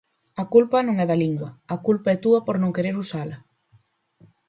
A culpa non é da lingua, a culpa é túa por non querer usala